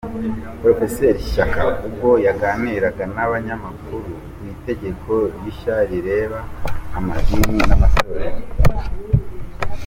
Prof Shyaka ubwo yaganiraga n'abanyamakuru ku itegeko rishya rireba amadini n'amatorero.